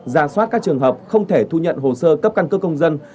ra soát các trường hợp không thể thu nhận hồ sơ cấp căn cước công dân